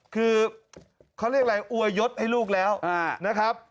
คือเขาเรียกอะไรอวยยศให้ลูกแล้วนะครับ